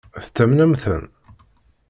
Tettamnem-ten?